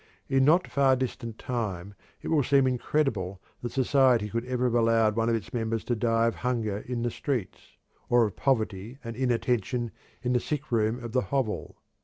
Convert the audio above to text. In not far distant time it will seem incredible that society could have ever allowed one of its members to die of hunger in the streets, or of poverty and inattention in the sick room of the hovel.